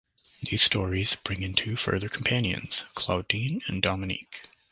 These stories bring in two further companions - Claudine and Dominique.